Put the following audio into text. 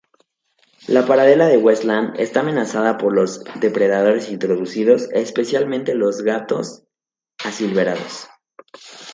La pardela de Westland está amenazada por los depredadores introducidos, especialmente los gatos asilvestrados.